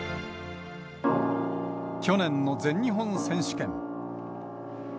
去年の全日本選手権。